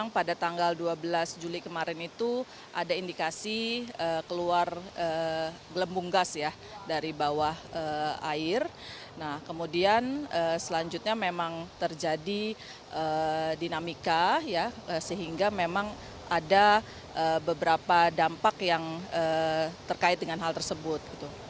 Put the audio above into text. kita berhasil mencari penanganan yang berkaitan dengan hal tersebut